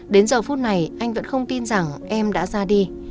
đến giờ phút này anh vẫn không tin rằng em đã ra đi